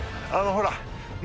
ほら。